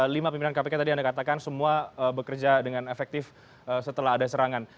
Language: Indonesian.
lima pimpinan kpk tadi anda katakan semua bekerja dengan efektif setelah ada serangan